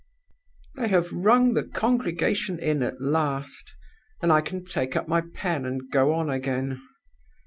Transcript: "They have rung the congregation in at last; and I can take up my pen, and go on again.